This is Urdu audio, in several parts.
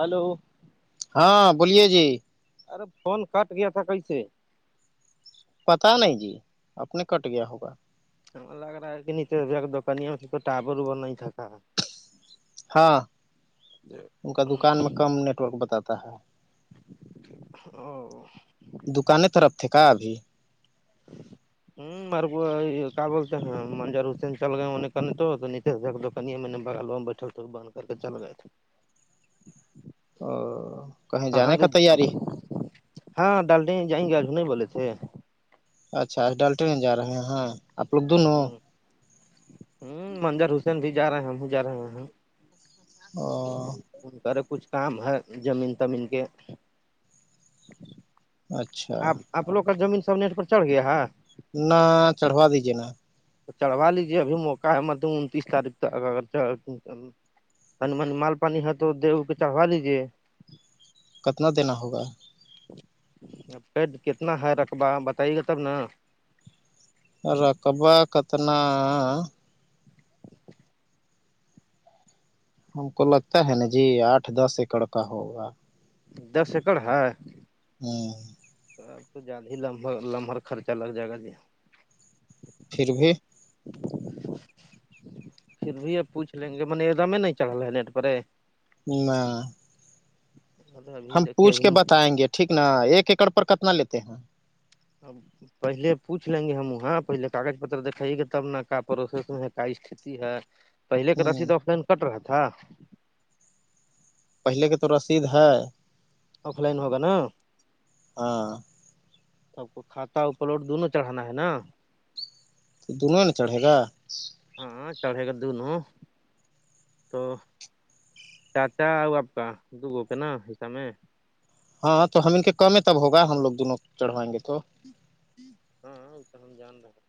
ہلو ہاں بولیے جی ارے فون کاٹ گیا تھا کسے پتا نہیں جی اپنے کٹ گیا ہوگا لگ رہا ہے نچے دکانانی تو ٹور بنائی تھا ہاں ان کا دکان میں کم نیٹورک بتاتا ہے او دکانیں طرف تھے کا ابھی [inaudible] مار کو کیا بولتے ہیں منجر حسین چل گئے ان کان تو نیش دیک کن میںنے بگ لو میں بیٹھل تھے بند کر کے چل رہئے تھے او کہیں ہاں جانے جی کا تیاری ہاں ڈال رہے جائیں گے اج نہیں بولے تھے اچھا ڈالٹنے جا رہے ہیں آپ لوگ دونوں ہ منظر حسین بھی جا رہے ہیں ہم جا رہے ہیں او ان کاارے کچھ کام ہے زمین تمین کے اچھا آپ اپ لوگ کا زمین سب نٹ پر چڑھ گیا ہے نہ چڑھوا دیجیے نا تو چڑھوا لیجیے ابھی موقع ہے مطل انتیس تاریخ تک تم مال پانی ہے تو دو پٹا ہوا لیجیے کتنا دینا ہوگا آپ کتنا ہے رقبہ بتائیے گا تب نا رقبہ کتنا ہم کو لگتا ہے نا جی آٹھ دس ایکڑ کا ہوگا دس ایکڑ ہے ہاں اب تو زیادہ ہی لمح لمحر خرچہ لگ جائے گا جی پھر بھی پھر بھی آب پوچھ لیں گے من دام نہیں چڑھا نیٹ پر نہ ابھی ہم دیکھیے پوچھ کے بتائیں گے ٹھیک نا ایک ایکڑ پر کتنا لیتے ہیں اب پہلے پوچھ لیں گے ہم ہاں پہلے کاغذ پتر دکھائیے گے تب کا پروسیس ہے کیا استھتی ہے پہلے کا ہوں رسید آف لائن کٹ رہا تھا پہلے کے تو رسید ہے آف لائن ہوگا نا ہاں سب کو کھاتا ا پلوٹ دونوں چڑھانا ہے نا تو دونوں نے چڑھے گا [inaudible] ہاں چڑھے گا دونوں تو چاچا اور آپ کا دوگو کا نا حصہ میں [inaudible] ہاں تو ہم ان کے کم ہے تب ہوگا ہم لوگ دونوں چڑھوائیں گے تو [inaudible] ہاں وہ تو ہم جان رہے [inaudible]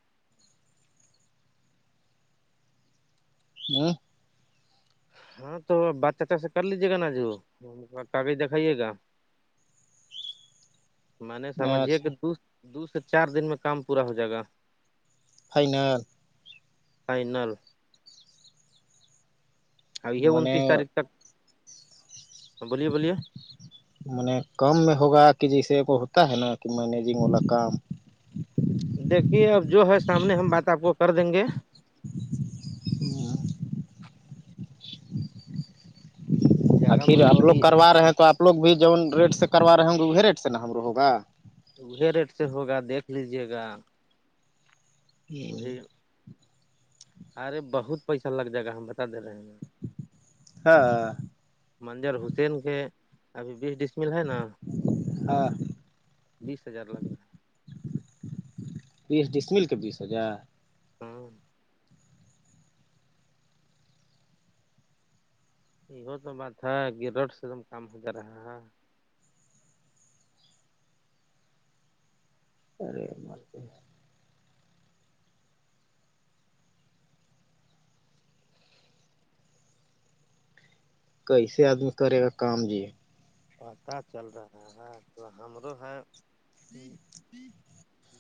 ہ [inaudible] ہاں تو بات چا سے کر لیجے گا نا جو کاغذ دکھائیے گا [inaudible] میں نے سمجھیا اچھا کہ دو دو سے چار دن میں کام پورا ہو جائے گا فائنل فائنل ابھی ہے م انتیس تاریخ تک بولیے بولیے م کم میں ہوگا کہ جیسے کو ہوتا ہے نا کہ مینجنگ والا کام دیکھیے اب جو ہے سامنے ہم بات آپ کو کر دیں گے جگہ آخر میں تو آپ لوگ ابھی کروا رہے ہیں تو آپ لوگ بھی جون ریٹ سے کروا رہے ہوں گے وہی ریٹ سے نا ہمرو ہوگا وہی ریٹ سے ہوگا دیکھ لیجیے گا ہی وہی [inaudible] ارے بہت پیسہ لگ جائے گا ہم بتا دے رہے ہیں ہاں ہاں منظر حسین کے ابھی بیس ڈسمل ہے نا ہاں بیس ہزار لگ رہا بیس ڈسمل کے بیس ہزار ہوں [inaudible] یہ تو بات ہے کہ رڈ سے دم کام ہو جا رہا ہے [inaudible] ارے م [inaudible] ہے کیسے آدمی کرے گا کام جی پت چل رہا ہے تو ہمرو ہے [inaudible]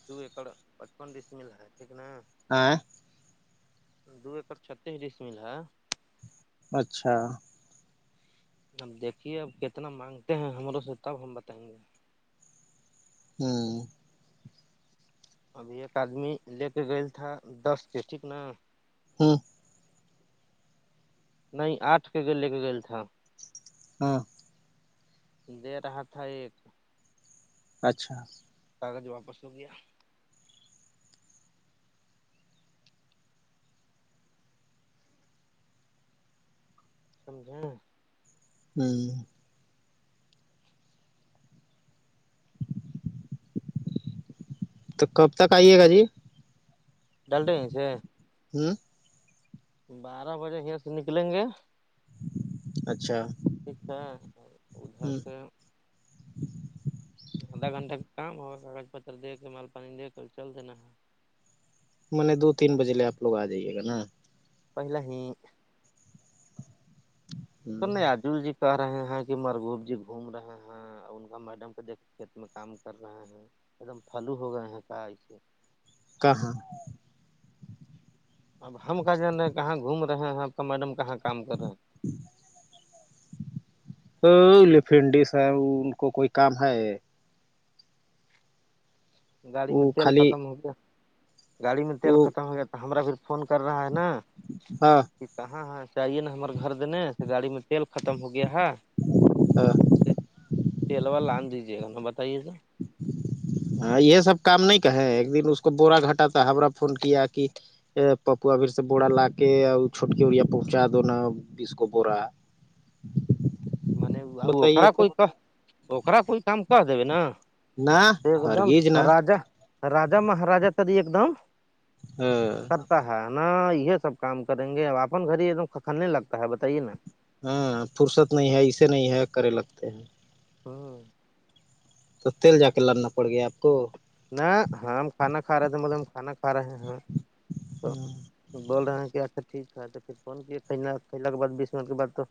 دو ایکڑ پچپن رس مل ہے ٹھیک نا آئ [inaudible] دو ایکڑ چھتیس ڈس مل ہے اچھا اب دیکھیے اب کتنا مانگتے ہیں ہمروں سے تب ہم بتائیں گے ہوں ابھی ایک آدمی لے کے گئے تھا دس کے ٹھیک نا ہاں [inaudible] نہیں آٹھ کے گ لے کے گل تھا [inaudible] ہاں دے رہا تھا ایک اچھا کاغذ واپس ہو گیا سمجھیں [inaudible] ہوں [inaudible] تو کب تک آئیے گا جی ڈل رہے ہیں سےے ہوں بارہ بجے یہاں سے نکلیں گے اچھا ٹھیک ہے ہ ادھر سے [inaudible] آدھا گھنٹہ کا کام ہوگا کاغذ پتر دے کے مال پانی دے کر چل دینا ہے م نے دو تین بجے لے آپ لوگ آ جائیے گا نا پہلا ہی س ہ نہیں آ جو ج کہ رہے ہیں کہ مرگوب جی گھوم رہے ہیں ان کا میڈم کو دیکھ کھیت میں کام کر رہے ہیں ایک دم پھلو ہو گئے یہاں کا سے کہاں اب ہم کہاں جان رہے ہیں کہاں گھوم رہے ہیں آپ کا میڈم کہاں کام کر رہے ہیں ہفینڈس ہے ان کو کوئی کام ہے گاڑی میں وہ تیل خالی ختم ہو گیا گاڑی میں تیل وہ ختم ہو گیا تو ہمار پھر فون کر رہا ہے نا ہاں ج کہاں ہے چاہیے نا ہمار گھر دینے سے گاڑی میں تیل ختم ہو گیا ہے ہاں کے علاوہ لان دیجیے گا نا بتائیے سر ہاں یہ سب کام نہیں کہے ایک دن اس کو بورا گھٹا تھا ہما فون کیا کہ [unintelligible] بیس کو بورہ مانے [unintelligible] بتائیے اکرا تو کوئی کام اکرا کوئی کام کہ دبے نا نہ ایک دم ہرگیز نہ راجا راجا مہاراجا تری ایک دم ہاں کرتا ہے نا یہ سب کام کریں گے اب اپپن گھر ہی ککھلنے لگتا ہے بتائیے نا ہاں فرصت نہیں ہے اسے نہیں ہے کرے لگتے ہیں ہوں تو تیل جا کے لانا پڑ گیا آپ کو نہ ہاں ہم کھانا کھ رہے تھے بولے ہم کھانا کھ رہے ہ تو بول رہے ہیں کہ اچھا ٹھیک ہے تو پھر فون کیے کہلا کی بد بیس منٹ کے بعد تو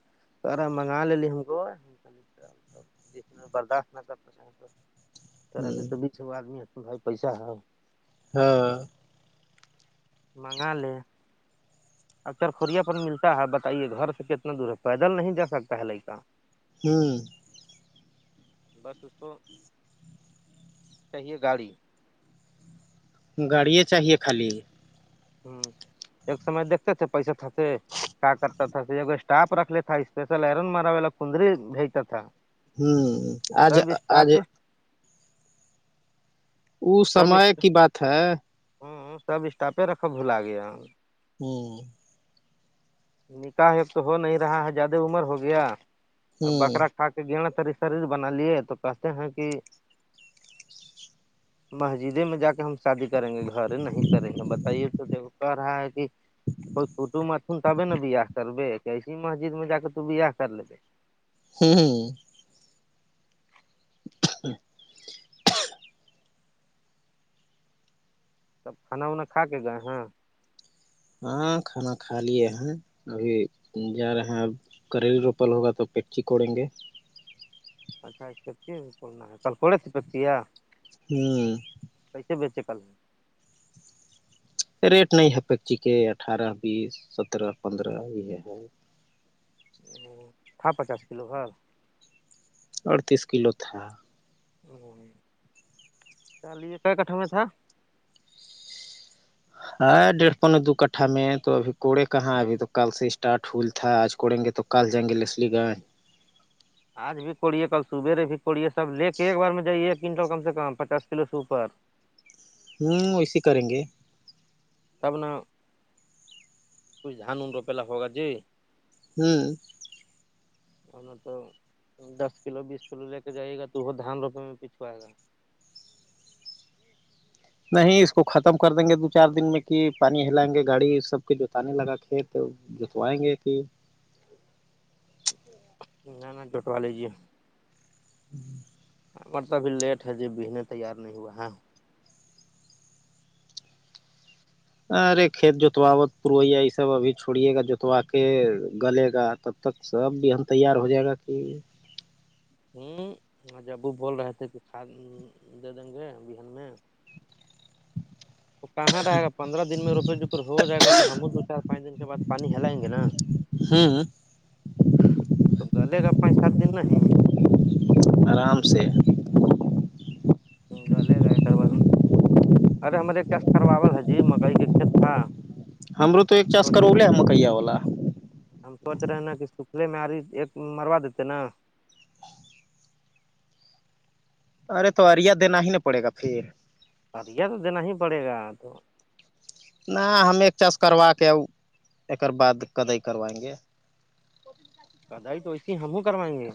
سارا منگا لیلی ہم کو جس میں برداشت نہ کر سکیں ترا پھر ہوں توب بھیچھ وہ آدمی ہے بھائی پیسا ہے ہاں منگا لے اکتر خوریا پر ملتا ہے بتائیے گھر سے کتنا دور ہے پیدل نہیں جا سکتا ہے لڑکا ہوں بس اس کو چاہیے گاڑی گاڑیے چاہیے خالی ہوں ایک سمے دھتے تھے پیسہ تھتے کیا کرتا تھا اگو اسٹاف رکھ لی تھا اسپیشل ارن مارا وا کندری بھیجتا تھا ہوں آج سب آج اسٹاف ا سب سمے کی بات ہے ہوں سب اسٹافے رکھب بلاگے ہوں نکاح اسکو ہو نہیں رہا ہے زیادہ عمر ہو گیا اب ہوں بکرا کھ کے گناا تری شریر بنا لیے تو کہتے ہیں کہ مسجدے میں جا کے ہم شادی کریں گے گھر نہیں کریں گے بتائیے تو دیکھ کہ رہا ہے کہ کوئی کٹب اٹم تبے ن بیاہ کربے ایسی مسجد میں جا کے تو بیاہ کر لبے ہوں ہ [unintelligible] سب کھانا وناا کھ کے گئے ہیں ہاں کھانا کھا لیے ہیں ابھی جا رہے ہیں اب کریل روپل ہوگا تو پچی کوڑیں گے پچات کرتی پنا کل کوڑے سے کرتی ہے ہوں کییسے بیچے کل میں ریٹ نہیں ہے پیکچی کے اٹھارہ بیس سترہ پندرہ یہ ہے تھاا پچاس کلو گھر اڑتیس کلو تھا چالے کیا کٹھا میں تھا ہاں ڈیڑھ پنے دو کٹھا میں تو ابھی کوڑے کہاں ابھی تو کل سے اسٹارٹ ہول تھا آج کوڑیں گے تو کال جیں گے لی گائے آج بھی کوڑیے کل صبحے بھی کوڑیے سب لے کے ایک بار میں جائیے ایک کنٹل کم سے کم پچاس کلو سوپر ہوں ویے کریں گے تب نہ کچھ دھان اوون روپےلا ہوو گا جی ہاں [inaudible] اور نہ تو دس کلو بیس کلو لے کے جائیے گا تو وہ دھان روپے میں پیچھو آئے گا نہیں اس کو ختم کر دیں گے دو چار دن میں کہ پانی ہلائیں گے گاڑی سب کے جوتنے لگا کھیت جو تو آئیں گے کہ نہ نہ جوٹوا لیجیے ہوں مرتببھی لیٹ ہے جب بہنے تیار نہیں ہوا ہے ارے کھیت جوتواوت پویا یہ سب ابھی چھوڑیے گا جوتوا کے گلے گا تب اب تک سب بھی ہم تیار ہو جائے گا کہ ہوں جب وہ بول رہے تھے کہ کھ دے دیں گے بہان میں وہ کہاں رہے گا پندر دن میں روپے جکر ہو جائے گا تو ہم دو چار پانچ دن کے بد پانی ہلائیں گے نا ہاں تو گلے گا پچ سات دن نہیں ہی آرام سے جے گا ایک بار میں ارے ہمارے کیاس کرواا ح جی مکئی کا کھیت تھا ہمرو تو ایک چاس سوچ کرو لے مکئییا والا ہم سوچ رہے نا کہ سکھلے میں آاری ایک مروا دیتے نا ارے تو اریا دینا ہی نہ پڑے گا پھر بیہ تو دینا ہی پڑے گا تو نہ ہم ایک چاس کروا کے ایکر بع کدی کروائیں گے کدائی تو ایسی ہی ہم ہی کروائیں گے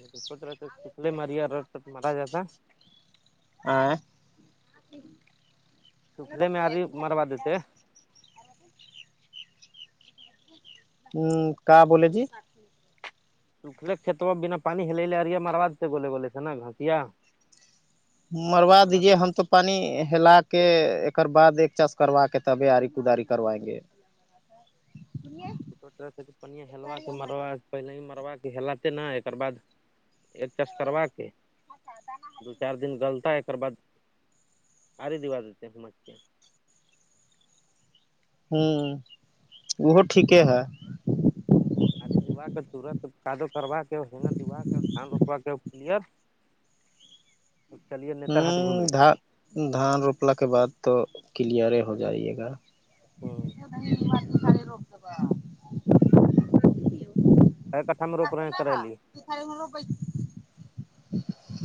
ر چکلے ماریا ر ر مرا جاتا آ سکھلے میں آدی مروا دیتے ہ کہ بولے جی سکھلے کت میں بنا پانی ہل لے ارییا مرا دیتے گولےولے تھ نا گھٹیا مروا دیجیے ہم تو پانی ہلا کے ایکر بع ایک چاس کروا کے تب آاری کداری کروائیں گے ک طرح سے پنیا ہلا مروا پہل ہی مروا کے ہلاتے نہ ایکر باد ایک چش کروا کے دو چار دن گلتا ہے بعد آاری دیوا دیتے سمجھ کے ہوں وہ ٹھیک ہے ہاتھی دیوا کے تورت کاادو کروا کے ہگا دیوا کے دھان روپوا کے پر ا چلے ہ دھ دھان روپلا کے بعد تو کلیئر ہو جائیے گا ہوں سسناا [unintelligible] خ م لو پ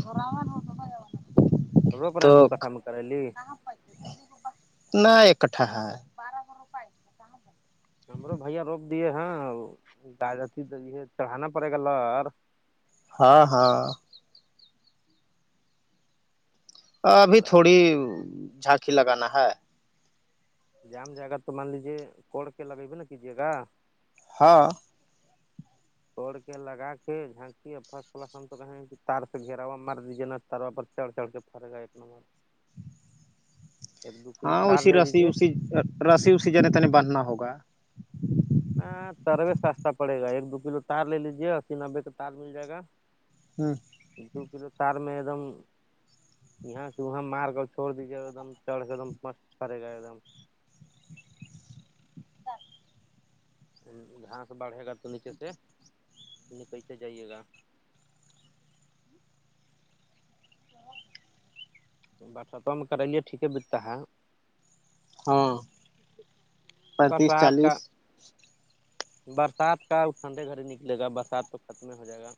گراو ہو پ [unintelligible] تھوڑ پر دو کٹھا میں کر لی [unintelligible] ن ایکٹھا ہے [unintelligible] بارہ سو روپی ہمرو بھیا روک دیے ہیں گتی چڑھانا پڑے گا لر [unintelligible] ہاں ہاں ابھی تھوڑی جھانکی لگانا ہے جام جائے گا تو مان لیجیے کوڑ کے لگےبے نا کیجیے گا ہاں توڑ کے لگا کے جھانکی فرسٹ کلاس ہم تو کہیں کہ تار سے گھیرا ہوا مار دیجیے نا تاروا پر چل چل کے فرق آئے اپنا مار ہاں ویسی رسی اسی رسی اسی جنے تنے باندھنا ہوگا [unintelligible] ہاں تروے سستا پڑے گا ایک دو کلو تار لے لیجے اسی نبوی کا تار مل جائے گا [unintelligible] ہوں دو کلو تار میں ایک دم یہاں سے وہاں مار کر چھوڑ دیجیے گا ایکم چڑ سے ایک م پڑے گا ایک دم [unintelligible] گھاس بڑھے گا تو نیچے سے نیچے سے جائیے گا برستوں میں کرلیے ٹھیک بتا ہے ہاں پینتیس برسات کا چالیس برسات کا ٹھنڈے گھر ہی نکلے گا برسات تو ختم ہو جائے گا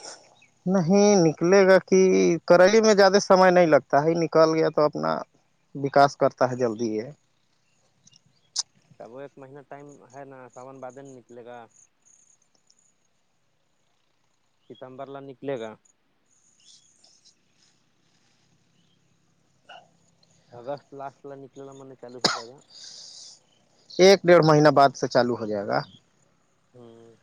[inaudible] نہیں نکلے گا کہ کریلی میں زیادہ سمے نہیں لگتا ہے نکل گیا تو اپنا وکاس کرتا ہے جلدی یہ اب وہ ایک مہین ٹائم ہے نا ساون بعد ہے نا نکلے گا [unintelligible] ستمبرلا نکلے گا [unintelligible] اگست لاسٹ والا نکلنا ما نے چالو ہو جائے گا ایک ڈیڑھ مہینہ بعد سے چالو ہو جائے گا ہوں